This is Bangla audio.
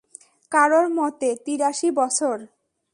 কারও মতে, তিরাশি বছর।